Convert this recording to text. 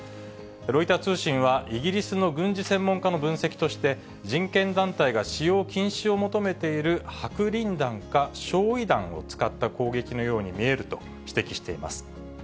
ロイター通信は、イギリスの軍事専門家の分析として、人権団体が使用禁止を求めている白リン弾か、焼い弾を使った攻撃のように見えると指摘しています。